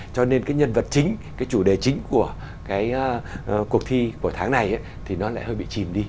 cho nên cái nhân vật chính cái chủ đề chính của cái cuộc thi của tháng này thì nó lại hơi bị chìm đi